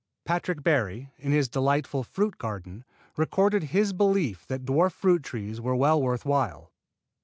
Patrick Barry, in his delightful "Fruit Garden," recorded his belief that dwarf fruit trees were well worth while.